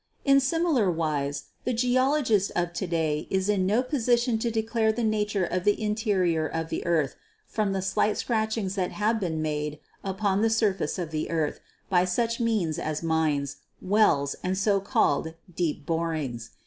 In similar wise the geologist of to day is in no position to declare the nature of the interior of the earth from the slight scratchings that have been made upon the surface of the earth by such means as mines, wells and so called deep borings.